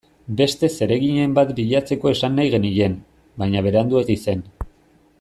Beste zereginen bat bilatzeko esan nahi genien, baina Beranduegi zen.